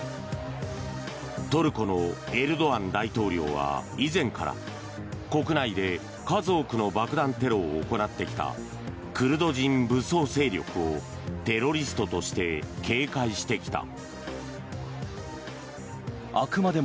トルコのエルドアン大統領は以前から国内で数多くの爆弾テロを行ってきたクルド人武装勢力をテロリストとして警戒してきた。